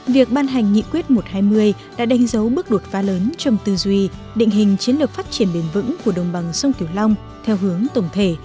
việc ban hành nghị quyết một trăm hai mươi đã đánh dấu bước đột phá lớn trong tư duy định hình chiến lược phát triển bền vững của đồng bằng sông kiều long theo hướng tổng thể